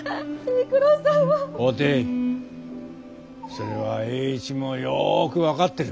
それは栄一もよぉく分かってる。